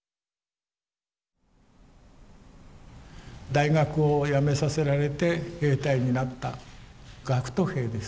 大学をやめさせられて兵隊になった学徒兵です。